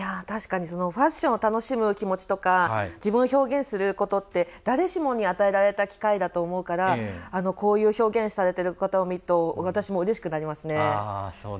確かにファッションを楽しむ気持ちとか自分を表現することって誰しもに与えられた機会だと思うからこういう表現をされている方を見ると私もうれしくなりますね。